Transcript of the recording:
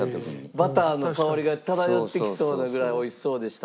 バターの香りが漂ってきそうなぐらい美味しそうでした。